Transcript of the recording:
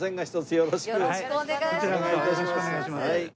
よろしくお願いします。